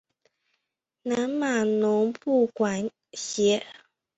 南马农布管辖。